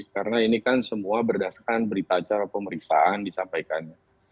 karena ini kan semua berdasarkan berita acara pemeriksaan disampaikannya